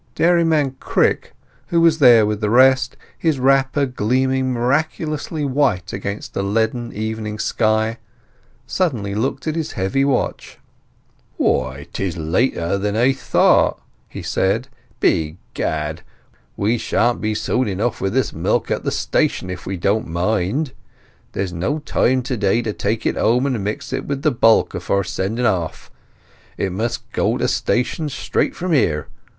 Dairyman Crick, who was there with the rest, his wrapper gleaming miraculously white against a leaden evening sky, suddenly looked at his heavy watch. "Why, 'tis later than I thought," he said. "Begad! We shan't be soon enough with this milk at the station, if we don't mind. There's no time to day to take it home and mix it with the bulk afore sending off. It must go to station straight from here.